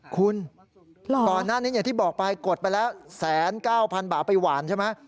คุณก่อนหน้านี้อย่างที่บอกไปกดไปแล้ว๑๙๐๐บาทไปหวานใช่ไหม